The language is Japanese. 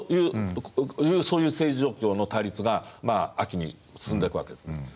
そういう政治状況の対立が秋に進んでいくわけです。